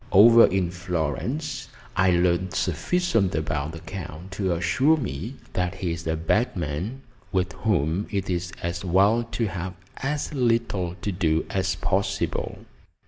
Over in Florence I learned sufficient about the Count to assure me that he is a bad man, with whom it is as well to have as little to do as possible.